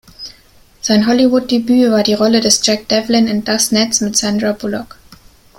Sein Hollywood-Debüt war die Rolle des Jack Devlin in "Das Netz" mit Sandra Bullock.